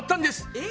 えっ？